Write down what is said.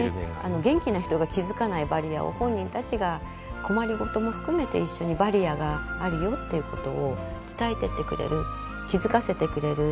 元気な人が気付かないバリアを本人たちが困り事も含めて一緒にバリアがあるよっていうことを伝えてってくれる気付かせてくれる。